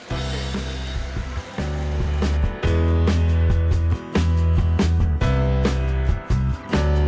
jadi saya harus berpikir pikir